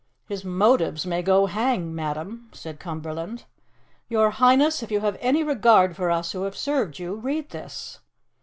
"His motives may go hang, madam," said Cumberland. "Your Highness, if you have any regard for us who have served you, read this!"